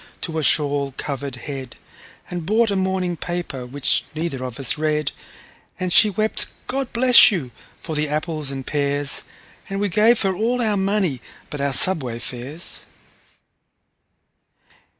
to a shawl covered head, And bought a morning paper, which neither of us read; And she wept, "God bless you!" for the apples and pears, And we gave her all our money but our subway fares.